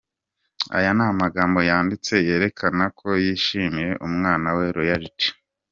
aya namagambo yanditse yerekana ko yishimiye umwana we Royalty.